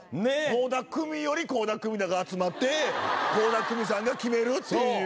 倖田來未より倖田來未だが集まって倖田來未さんが決めるっていう。